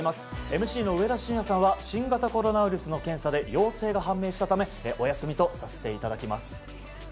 ＭＣの上田晋也さんは新型コロナウイルスの検査で陽性が判明したためお休みとさせていただきます。